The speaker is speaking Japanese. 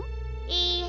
いいえ。